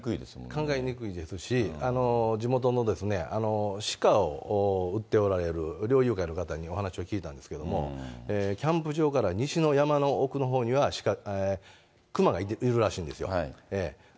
考えにくいですし、地元のシカを撃っておられる猟友会の方にお話を聞いたんですけれども、キャンプ場から西の山の奥のほうには熊がいるらしいんですよ。